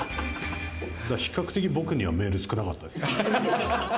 比較的、僕にはメール少なかったですよ。